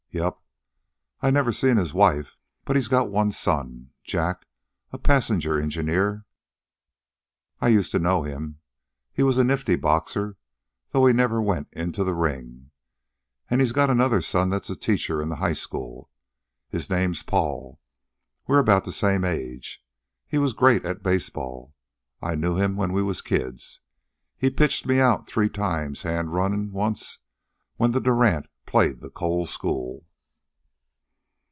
"Yep. I never seen his wife, but he's got one son, Jack, a passenger engineer. I used to know him. He was a nifty boxer, though he never went into the ring. An' he's got another son that's teacher in the high school. His name's Paul. We're about the same age. He was great at baseball. I knew him when we was kids. He pitched me out three times hand runnin' once, when the Durant played the Cole School."